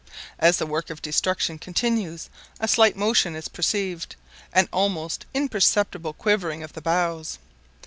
As the work of destruction continues, a slight motion is perceived an almost imperceptible quivering of the boughs.